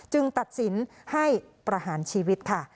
ตัดสินให้ประหารชีวิตค่ะ